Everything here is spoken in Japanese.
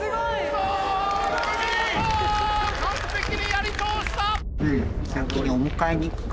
完璧にやりとおした！